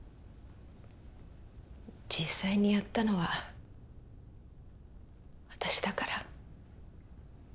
実際にやったのは私だから。